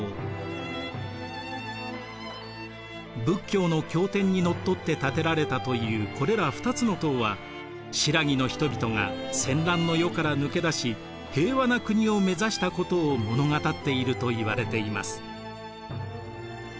仏教の経典にのっとって建てられたというこれら２つの塔は新羅の人々が戦乱の世から抜け出し平和な国を目指したことを物語っているといわれています。